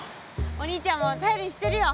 お兄ちゃんも頼りにしてるよ。